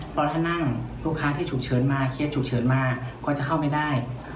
เพราะถ้านั่งลูกค้าที่ฉุกเฉินมาเคสฉุกเฉินมาก็จะเข้าไม่ได้